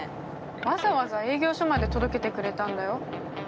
わざわざ営業所まで届けてくれたんだよ。